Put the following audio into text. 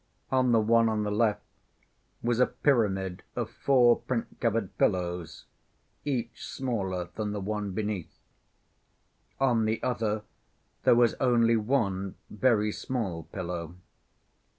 On the one on the left was a pyramid of four print‐covered pillows, each smaller than the one beneath. On the other there was only one very small pillow.